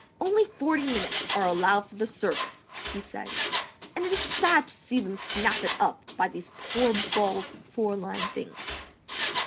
"Only forty minutes are allowed for the service," he said, "and it is sad to see them 'snappit up' by these poor bald four line things."